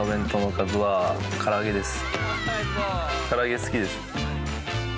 から揚げ、好きです。